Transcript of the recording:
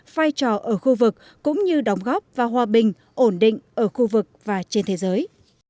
vai trò ở khu vực cũng như đóng góp và hòa bình ổn định ở khu vực và trên thế giới